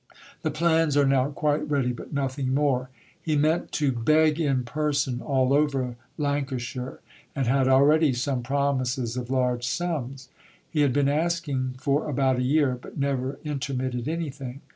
The plans are now quite ready, but nothing more. He meant to beg in person all over Lancashire, and had already some promises of large sums. He had been asking for about a year, but never intermitted anything.